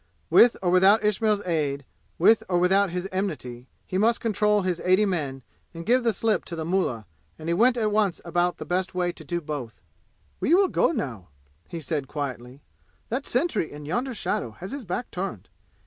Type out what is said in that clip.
With or without Ismail's aid, with or without his enmity, he must control his eighty men and give the slip to the mullah, and he went at once about the best way to do both. "We will go now," he said quietly. "That sentry in yonder shadow has his back turned.